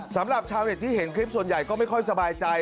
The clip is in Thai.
สำหรับชาวเน็ตที่เห็นคลิปส่วนใหญ่ก็ไม่ค่อยสบายใจ